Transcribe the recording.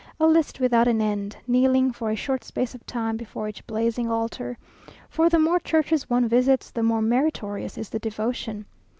a list without an end, kneeling for a short space of time before each blazing altar, for the more churches one visits, the more meritorious is the devotion.